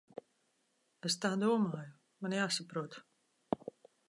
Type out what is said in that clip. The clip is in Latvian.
Es tā domāju. Man jāsaprot.